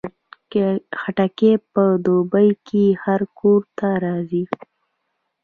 خټکی په دوبۍ کې هر کور ته راځي.